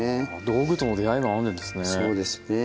道具との出会いがあるんですね。